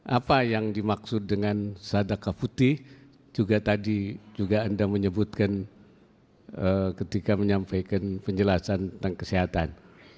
apa yang dimaksud dengan sadaka putih juga tadi juga anda menyebutkan ketika menyampaikan penjelasan tentang kesehatan